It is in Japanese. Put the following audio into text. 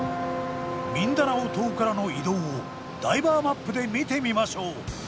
ミンダナオ島からの移動をダイバーマップで見てみましょう。